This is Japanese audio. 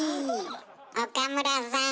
「岡村さん！！」。